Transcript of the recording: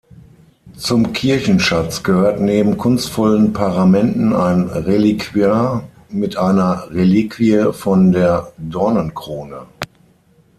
Zum Kirchenschatz gehört neben kunstvollen Paramenten ein Reliquiar mit einer Reliquie von der Dornenkrone.